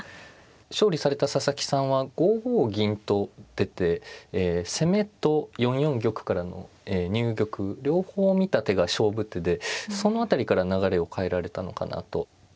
勝利された佐々木さんは５五銀と出て攻めと４四玉からの入玉両方見た手が勝負手でその辺りから流れを変えられたのかなと思います。